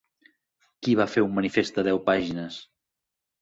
Qui va fer un manifest de deu pàgines?